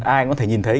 ai cũng có thể nhìn thấy